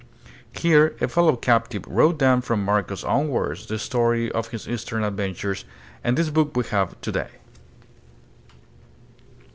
Here a fellow captive wrote down from Marco's own words the story of his eastern adventures, and this book we have to day.